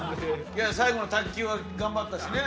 最後の卓球は頑張ったしね。